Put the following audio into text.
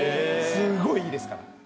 すごいいいですから。